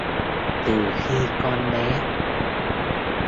Từ khi con bé